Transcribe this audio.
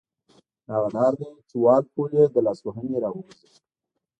دا هغه ډار دی چې وال پول یې له لاسوهنې را وګرځاوه.